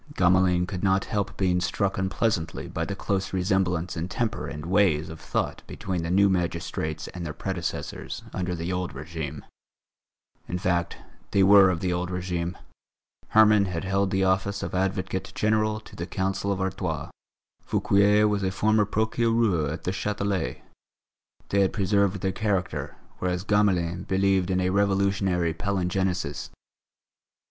Gamelin could not help being struck unpleasantly by the close resemblance in temper and ways of thought between the new magistrates and their predecessors under the old régime. In fact, they were of the old régime; Herman had held the office of Advocate General to the Council of Artois; Fouquier was a former Procureur at the Châtelet. They had preserved their character, whereas Gamelin believed in a Revolutionary palingenesis.